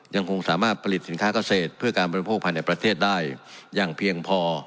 ยังคงสามารถผลิตสินค้าเกษตรเพื่อการบริโภคภายในประเทศได้อย่างเพียงพอ